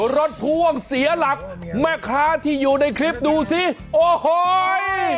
รถพ่วงเสียหลักแม่ค้าที่อยู่ในคลิปดูสิโอ้โห